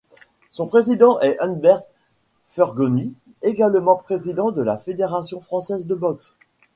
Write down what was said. Son président est Humbert Furgoni, également président de la fédération française de boxe.